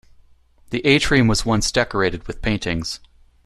The atrium was once decorated with paintings.